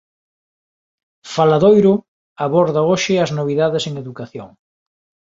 "Faladoiro" aborda hoxe as novidades en Educación